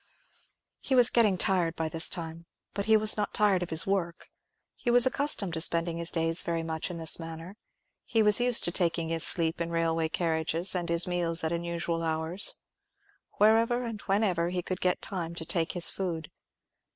He was getting tired by this time, but he was not tired of his work. He was accustomed to spending his days very much in this manner; he was used to taking his sleep in railway carriages, and his meals at unusual hours, whenever and wherever he could get time to take his food.